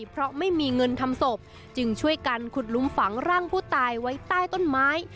เพราะไม่มีเงินทำศพจึงช่วยกันขุดลุมฝังร่างผู้ตายไว้ใต้ต้นไม้